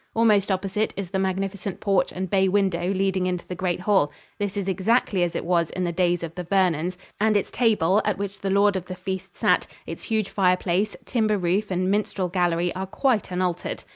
Almost opposite is the magnificent porch and bay window leading into the great hall. This is exactly as it was in the days of the Vernons, and its table, at which the lord of the feast sat, its huge fireplace, timber roof and minstrel gallery are quite unaltered.